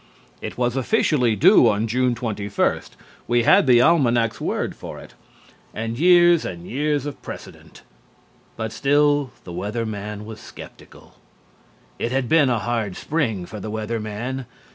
It was officially due on June 21. We had the almanac's word for it and years and years of precedent, but still the Weather Man was skeptical. It had been a hard spring for the Weather Man.